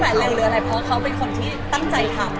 เพราะเขาเป็นคนที่ตั้งใจทำ